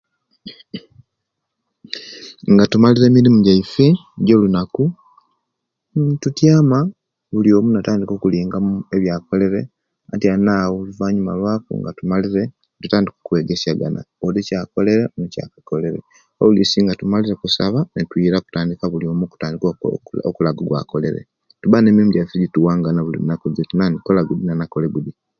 Nga tumalire emirimu gyaisu, ejolunaku, tutyaama buli oomu tutandiika okulingamu ebyakolere, atyanu awoo oluvanyuma nga tumalire, tutandiika okweegesyagana, oodi ekyakolere, oonu ekyakolere; olwiisi nga tumalire okusaba, nitwiira okutandiika buli oomu okutandiika okulaga ogwakolere, tubba nemirimo gyaisu ejetuwangana buli lunaku nti naani kola gudi onaani akole gudi.